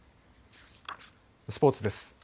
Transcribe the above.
スポーツです。